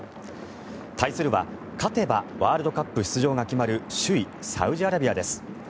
対するは勝てばワールドカップ出場が決まる首位サウジアラビアです。